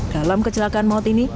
dalam kecelakaan maut ini